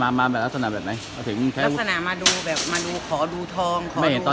มันมาลักษณะอย่างไรลักษณะมามาดูขอดูทอง